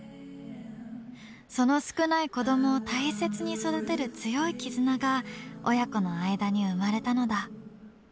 その少ない子どもを大切に育てる強い絆が親子の間に生まれたのだ。